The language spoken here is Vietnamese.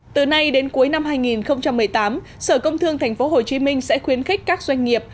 từ nay đến cuối năm hai nghìn một mươi tám sở công thương tp hcm sẽ khuyến khích các doanh nghiệp